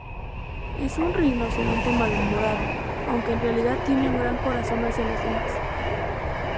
Es un rinoceronte malhumorado, aunque en realidad tiene un gran corazón hacia los demás.